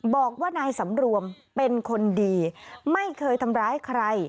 บอกว่านายสำรวมเป็นคนดีไม่เคยทำร้ายใคร